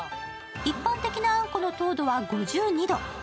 一般的なあんこの糖度は５２度。